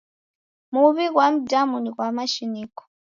Muw'I ghwa mdamu ni ghwa mashiniko.